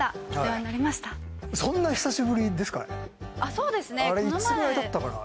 そうですね。